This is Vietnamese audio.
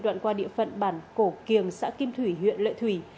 đoạn qua địa phận bản cổ kiềng xã kim thủy huyện lệ thủy